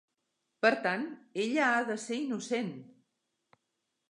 Per tant, ella ha de ser innocent!